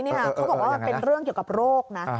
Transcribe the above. เขาบอกว่ามันเป็นเรื่องเกี่ยวกับโรคนะ